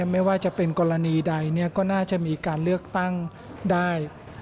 ไม่ว่าจะเป็นกรณีใดก็น่าจะมีการเลือกตั้งได้